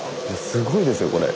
すごいですよこれ。